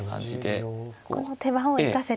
この手番を生かせて。